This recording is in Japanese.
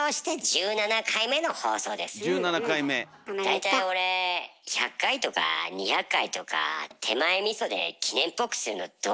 大体俺１００回とか２００回とか手前みそで記念っぽくするのどうかと思うんだよね。